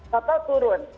kalau tidak total turun